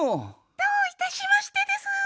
どういたしましてでスー。